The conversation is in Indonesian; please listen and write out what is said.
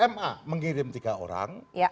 ma mengirim tiga orang